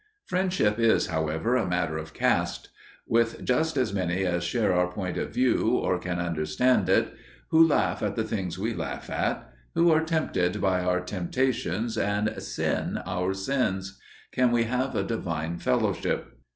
Friendship is, however, a matter of caste. With just as many as share our point of view or can understand it, who laugh at the things we laugh at, who are tempted by our temptations and sin our sins, can we have a divine fellowship.